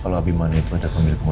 kalau abiman itu adalah pemilik kingur